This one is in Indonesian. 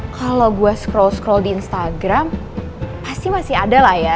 kalau gue scroll scroll di instagram pasti masih ada lah ya